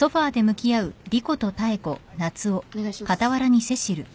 お願いします。